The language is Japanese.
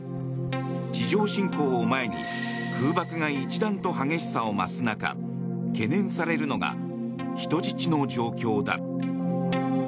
地上侵攻を前に空爆が一段と激しさを増す中懸念されるのが人質の状況だ。